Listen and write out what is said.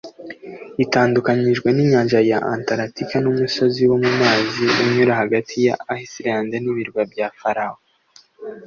itandukanijwe n'inyanja ya Atalantika n'umusozi wo mu mazi unyura hagati ya Islande n'ibirwa bya Faroe